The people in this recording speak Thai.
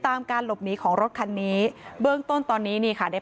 การหลบหนีของรถคันนี้เบื้องต้นตอนนี้นี่ค่ะได้